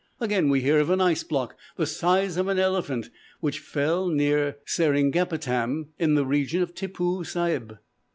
Again, we hear of an ice block the size of an elephant, which fell near Seringapatam, in the reign of Tippoo Sahib.